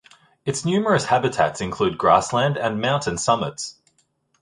Its numerous habitats include grassland and mountain summits.